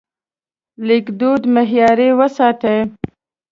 لیکدود معیاري وساتئ.